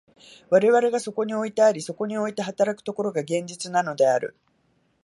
我々がそこにおいてあり、そこにおいて働く所が、現実なのである。